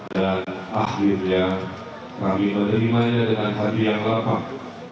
dan akhirnya kami menerimanya dengan hati yang lapang